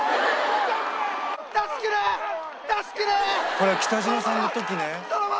「これは北島さんの時ね」